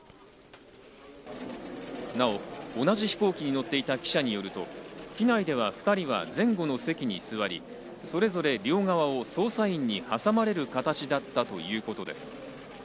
なお、同じ飛行機に乗っていた記者によると、機内では２人は前後の席に座り、それぞれ両側を捜査員に挟まれる形だったということです。